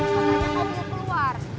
katanya kamu mau keluar